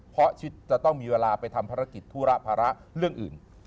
เพราะชิดจะต้องมีเวลาไปทำภารกิจธุระภาระเรื่องอื่น